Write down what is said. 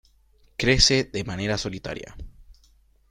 Crece de manera solitaria.